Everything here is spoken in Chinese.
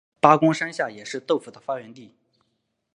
八公山下也是豆腐的发源地。